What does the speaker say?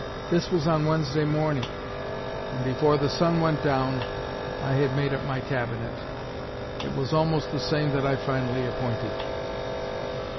This was on Wednesday morning, and before the sun went down I had made up my Cabinet. It was almost the same that I finally appointed."